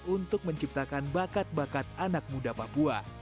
untuk menciptakan bakat bakat anak muda papua